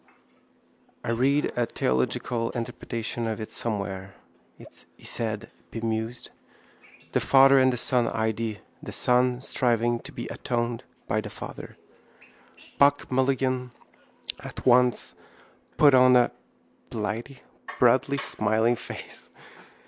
—I read a theological interpretation of it somewhere, he said bemused. The Father and the Son idea. The Son striving to be atoned with the Father. Buck Mulligan at once put on a blithe broadly smiling face.